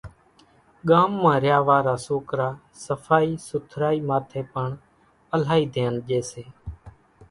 ڳام مان ريا وارا سوڪرا سڦائِي سُٿرائِي ماٿيَ پڻ الائِي ڌيانَ ڄيَ سي۔